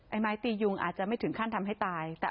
ไม้ตียุงอาจจะไม่ถึงขั้นทำให้ตาย